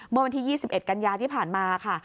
เมื่อวันที่๒๑กันยาที่ผ่านมาค่ะ